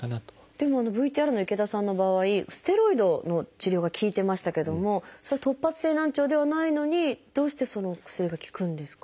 でもＶＴＲの池田さんの場合ステロイドの治療が効いてましたけども突発性難聴ではないのにどうしてその薬が効くんですか？